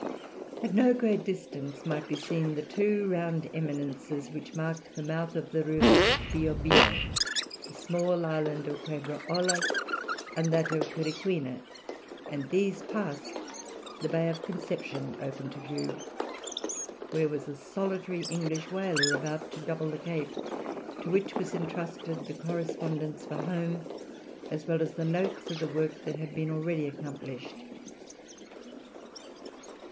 At no great distance might be seen the two round eminences which mark the mouth of the river Bio Bio, the small island of Quebra Ollas, and that of Quiriquina, and, these passed, the Bay of Conception opened to view, where was a solitary English whaler about to double the Cape, to which was entrusted the correspondence for home, as well as the notes of the work that had already been accomplished.